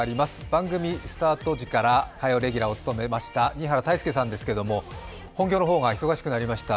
番組スタート時から火曜レギュラーを務めました新原泰佑さんですけれども、本業の方が忙しくなりました。